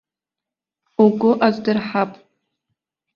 Угәы аздырҳап.